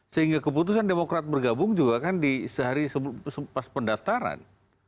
sehingga keputusan demokrat bergabung juga kan di sehari pas pendaftaran